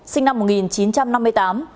sinh năm một nghìn chín trăm năm mươi tám